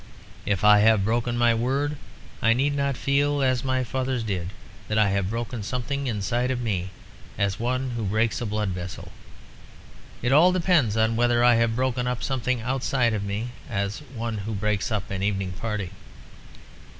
If I have broken my word I need not feel (as my fathers did) that I have broken something inside of me, as one who breaks a blood vessel. It all depends on whether I have broken up something outside me; as one who breaks up an evening party.